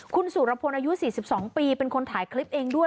คุณสุรพลอายุ๔๒ปีเป็นคนถ่ายคลิปเองด้วย